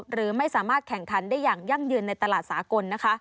หรือไม่สามารถแข่งขันได้อย่างยั่งยืนในตลาดสากล